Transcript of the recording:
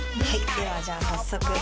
ではじゃあ早速。